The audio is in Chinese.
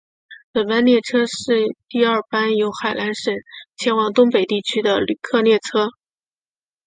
本班列车是第二班由海南省前往东北地区的旅客列车。